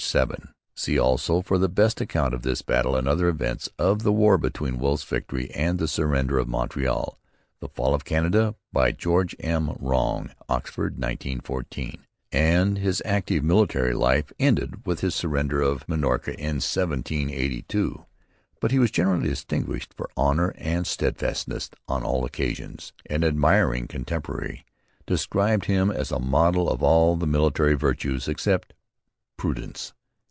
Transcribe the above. viii. See also, for the best account of this battle and other events of the year between Wolfe's victory and the surrender of Montreal, The Fall of Canada, by George M. Wrong. Oxford, 1914.] And his active military life ended with his surrender of Minorca in 1782. But he was greatly distinguished for honour and steadfastness on all occasions. An admiring contemporary described him as a model of all the military virtues except prudence.